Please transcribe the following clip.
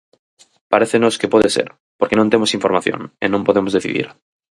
Parécenos que pode ser, porque non temos información, e non podemos decidir.